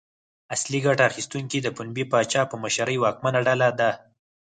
اصلي ګټه اخیستونکي د پنبې پاچا په مشرۍ واکمنه ډله ده.